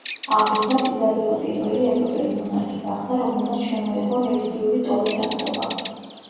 ამრიგად, იზაბელა პირველი ევროპელი მონარქი გახდა, რომელმაც შემოიღო რელიგიური ტოლერანტობა.